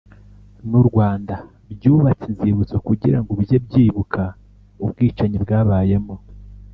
n’u Rwanda byubatse inzibutso kugira ngo bijye byibuka ubwicanyi bwabayemo